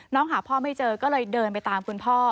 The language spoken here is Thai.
หาพ่อไม่เจอก็เลยเดินไปตามคุณพ่อ